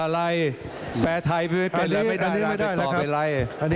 รุกพูดภาษานุ่น